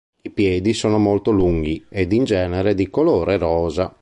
I piedi sono molto lunghi e in genere di colore rosa.